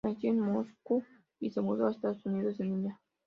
Nació en Moscú y se mudó a Estados Unidos de niña.